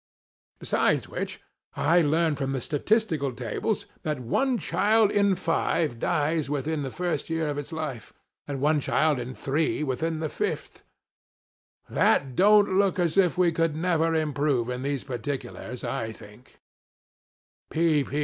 Besides which, I learn from the statistical tables that one child in five, dies within the first year of its life ; and one child in three, within the fifth. That don't look as if we could never improve in these particulars, I think